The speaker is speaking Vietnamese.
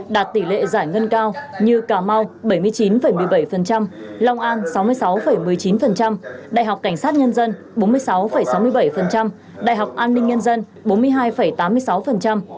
đạt tỷ lệ giải ngân cao như cà mau bảy mươi chín một mươi bảy long an sáu mươi sáu một mươi chín đại học cảnh sát nhân dân bốn mươi sáu sáu mươi bảy đại học an ninh nhân dân bốn mươi hai tám mươi sáu